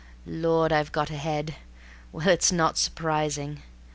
Lord! I've got a head. Well, it's not surprising.